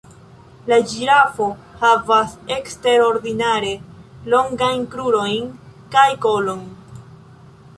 La ĝirafo havas eksterordinare longajn krurojn kaj kolon.